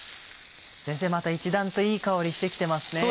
また一段といい香りして来てますね。